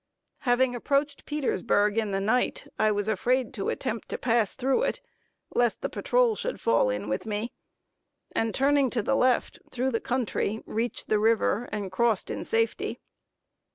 Having approached Petersburg in the night, I was afraid to attempt to pass through it, lest the patrol should fall in with me; and turning to the left through the country, reached the river, and crossed in safety.